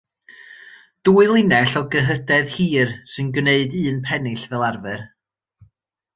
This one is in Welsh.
Dwy linell o gyhydedd hir sy'n gwneud un pennill fel arfer.